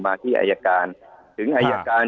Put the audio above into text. มาที่อายการถึงอายการ